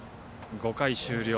５回終了。